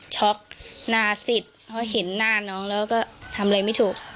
หน้าซิดเพราะเห็นหน้าน้องแล้วก็ทำอะไรไม่ถูก